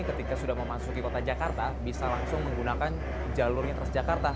ketika sudah mau masuk ke kota jakarta bisa langsung menggunakan jalurnya transjakarta